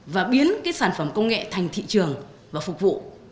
và biến sản phẩm công nghệ thành thị trường và phục vụ